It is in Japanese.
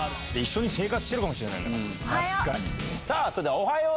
「おはよう」。